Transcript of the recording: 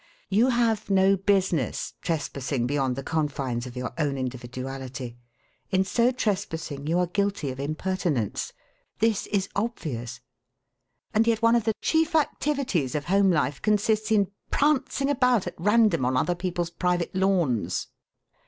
You have no business trespassing beyond the confines of your own individuality. In so trespassing you are guilty of impertinence. This is obvious. And yet one of the chief activities of home life consists in prancing about at random on other people's private lawns.